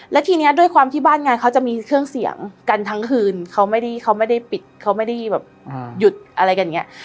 และทีนี้ด้วยความที่บ้านงานเขาจะมีเครื่องเสียงกันทั้งคืนเขาไม่ได้ปิดเขาไม่ได้แบบหยุดอะไรแบบนี้